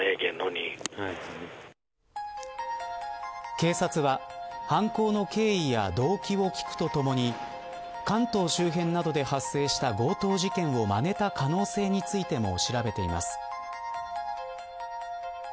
警察は犯行の経緯や動機を聞くとともに関東周辺などで発生した強盗事件をまねた可能性についても調べています。